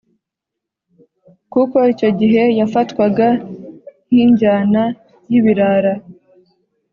kuko icyo gihe yafatwaga nk’injyana y’ibirara